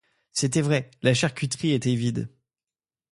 C’était vrai, la charcuterie était vide.